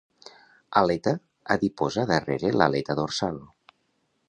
Aleta adiposa darrere l'aleta dorsal.